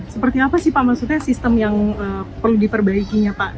seperti apa sih pak maksudnya sistem yang perlu diperbaikinya pak